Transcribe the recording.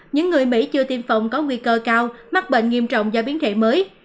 những người mỹ chưa tiêm phòng có nguy cơ cao mắc bệnh nghiêm trọng do biến thể mới